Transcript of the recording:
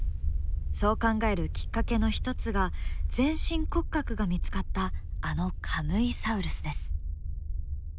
そう考えるきっかけの一つが全身骨格が見つかったあのカムイサウルスです。